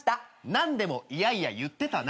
何でもいやいや言ってたな。